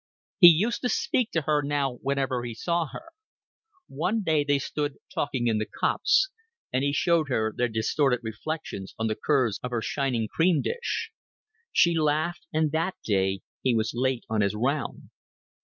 He used to speak to her now whenever he saw her. One day they stood talking in the copse, and he showed her their distorted reflections on the curves of her shining cream dish. She laughed; and that day he was late on his round.